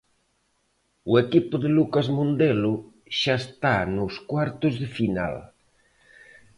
O equipo de Lucas Mondelo xa está nos cuartos de final.